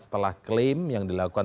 setelah klaim yang dilakukan